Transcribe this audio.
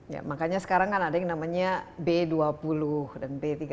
ya makanya sekarang kan ada yang namanya b dua puluh dan b tiga puluh